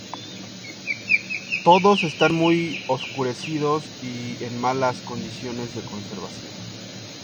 Todos están muy oscurecidos y en malas condiciones de conservación.